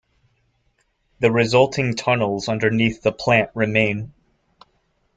The resulting tunnels underneath the plant remain.